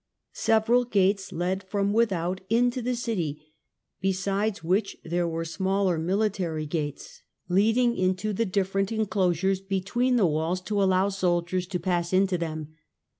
Several gates led from without into the city, besides which there were smaller military gates, THE GREEK EMPIRE AND OTTOMAN TURKS 265 leading into the different enclosures between the walls to allow soldiers to pass into them.